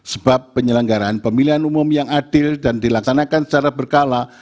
sebab penyelenggaraan pemilihan umum yang adil dan dilaksanakan secara berkala